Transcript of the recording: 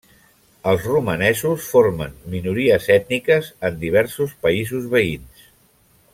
Els romanesos formen minories ètniques en diversos països veïns.